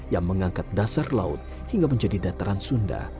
yang mengangkat dasar laut hingga menjadi dataran sunda